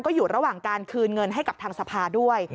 อยู่ระหว่างการคืนเงินให้กับทางสภาด้วย